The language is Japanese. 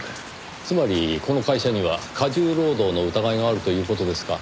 つまりこの会社には過重労働の疑いがあるという事ですか。